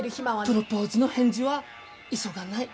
プロポーズの返事は急がない。